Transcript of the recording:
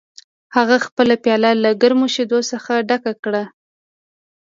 هغه خپله پیاله له ګرمو شیدو څخه ډکه کړه